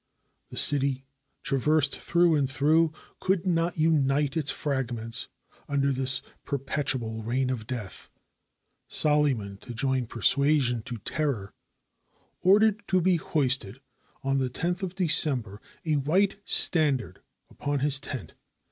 The city, traversed through and through, could not unite its fragments un der this perpetual reign of death. Solyman, to join per suasion to terror, ordered to be hoisted, on the loth December, a white standard upon his tent.